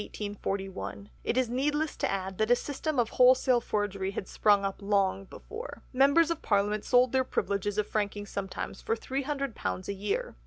It is needless to add that a system of wholesale forgery had sprung up long before." "Members of Parliament sold their privileges of franking sometimes for £300 a year."